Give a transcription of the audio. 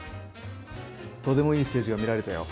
とてもいいステージが見られたよ。